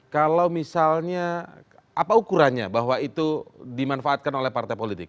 kalau misalnya apa ukurannya bahwa itu dimanfaatkan oleh partai politik